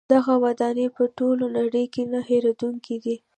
دغه ودانۍ په ټوله نړۍ کې نه هیریدونکې دي.